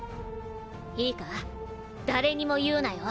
いいかだれにも言うなよ。